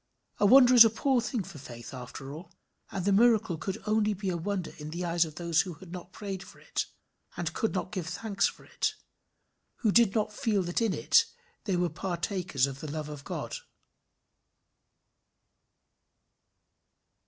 A wonder is a poor thing for faith after all; and the miracle could be only a wonder in the eyes of those who had not prayed for it, and could not give thanks for it; who did not feel that in it they were partakers of the love of God.